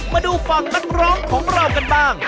มาดูฝั่งนักร้องของเรากันบ้าง